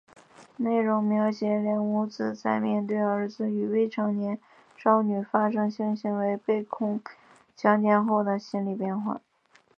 内容描写两母子在面对儿子与未成年少女发生性行为被控强奸后的心理变化。